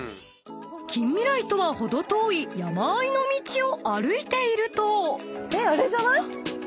［近未来とは程遠い山あいの道を歩いていると］